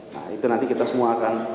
nah itu nanti kita semua akan